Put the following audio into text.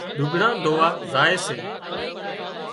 لگھڙان ڌووا زائي سي